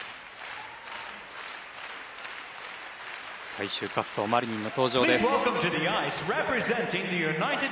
最終滑走マリニンの登場です。